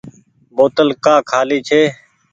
بوتل ڪآ کآلي ڇي۔